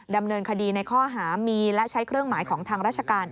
ดำเนินคดีในข้อหามีและใช้เครื่องหมายของทางราชการ